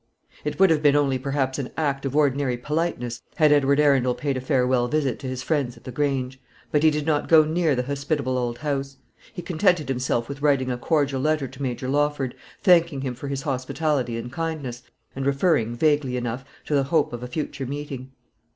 It would have been only perhaps an act of ordinary politeness had Edward Arundel paid a farewell visit to his friends at the Grange. But he did not go near the hospitable old house. He contented himself with writing a cordial letter to Major Lawford, thanking him for his hospitality and kindness, and referring, vaguely enough, to the hope of a future meeting.